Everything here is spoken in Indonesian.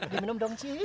diminum dong ci